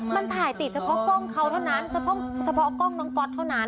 มันถ่ายติดเฉพาะกล้องเขาเท่านั้นเฉพาะกล้องน้องก๊อตเท่านั้น